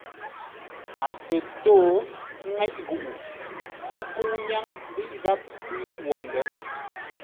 A kə̂ ntó nŋéʼ ghuʼu, ə́ nkə́u ńnyáŋ ghíʼ gháp zʉ́ wo lə̌r.